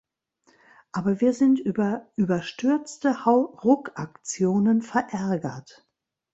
Aber wir sind über überstürzte Hau-Ruck-Aktionen verärgert.